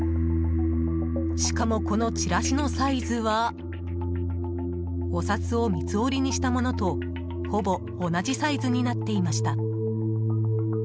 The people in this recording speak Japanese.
しかも、このチラシのサイズはお札を三つ折りにしたものとほぼ同じサイズになっていました。